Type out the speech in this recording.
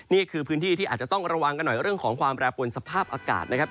นี่คือพื้นที่ที่อาจจะต้องระวังกันหน่อยเรื่องของความแปรปวนสภาพอากาศนะครับ